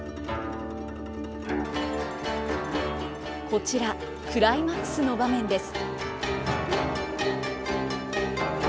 こちらクライマックスの場面です。